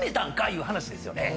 いう話ですよね。